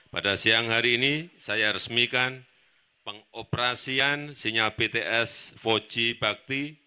pada siang hari ini saya resmikan pengoperasian sinyal bts empat g bakti